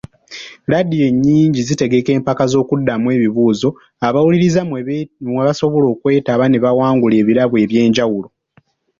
Laadiyo nnyingi zitegeka empaka z'okuddamu ebibuuzo, abawuliriza mwe basobola okwetaba ne bawangula ebirabo eby'enjawulo.